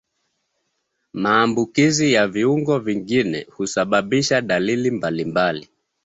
Maambukizi ya viungo vingine husababisha dalili mbalimbali.